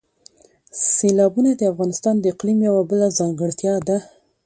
سیلابونه د افغانستان د اقلیم یوه بله ځانګړتیا ده.